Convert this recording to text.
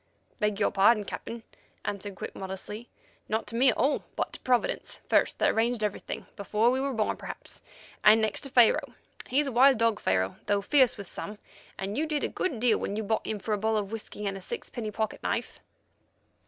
"Beg your pardon, Captain," answered Quick modestly; "not to me at all, but to Providence first that arranged everything, before we were born perhaps, and next to Pharaoh. He's a wise dog, Pharaoh, though fierce with some, and you did a good deal when you bought him for a bottle of whisky and a sixpenny pocket knife."